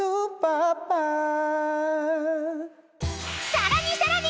［さらにさらに］